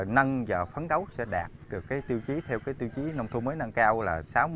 năng và phấn đấu sẽ đạt được cái tiêu chí theo cái tiêu chí nông thôn mới nâng cao là sáu mươi